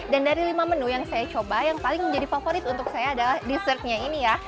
dan dari lima menu yang saya coba yang paling menjadi favorit untuk saya adalah desertnya ini ya